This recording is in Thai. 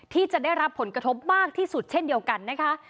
ที่จะได้รับผลกระทบมากที่สุดเช่นเดียวกันนะคะ